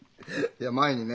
いや前にね